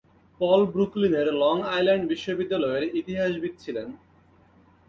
পল ব্রুকলিনের Long Island বিশ্ববিদ্যালয়ের ইতিহাসবিদ ছিলেন।